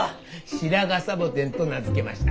シラガサボテンと名付けました。